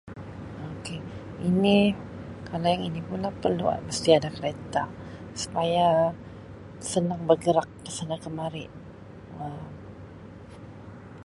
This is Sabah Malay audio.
Okay ini, kalau yang ini pula perlu [unintelligible] secara kereta supaya senang bergerak ke sana ke mari Um.